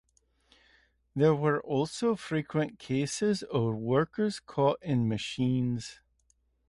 There were also frequent cases of workers caught in machines.